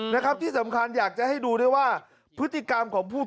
นะครับที่สำคัญอยากจะให้ดูด้วยว่าพฤติกรรมของผู้